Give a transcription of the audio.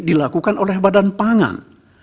dilakukan oleh badan pangan